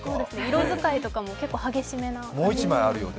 色使いとかも結構激しめな。